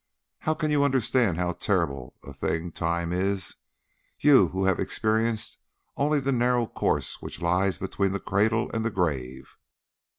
How can you understand how terrible a thing time is, you who have experience only of the narrow course which lies between the cradle and the grave!